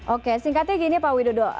oke singkatnya gini pak widodo